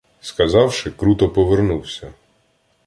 Сказавши, круто повернувся